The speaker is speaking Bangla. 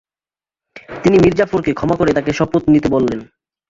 তিনি মীরজাফরকে ক্ষমা করে তাকে শপথ নিতে বললেন।